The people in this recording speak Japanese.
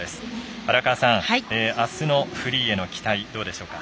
荒川さん、あすのフリーへの期待どうでしょうか？